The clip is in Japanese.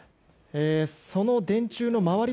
その電柱の周り